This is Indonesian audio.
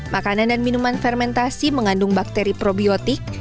makanan dan minuman fermentasi mengandung bakteri probiotik